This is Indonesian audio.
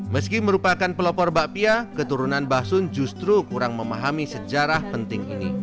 meski merupakan pelopor bakpia keturunan basun justru kurang memahami sejarah penting ini